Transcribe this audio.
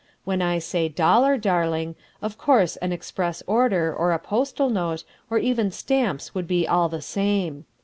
When I say dollar, darling, of course an express order, or a postal note, or even stamps would be all the same.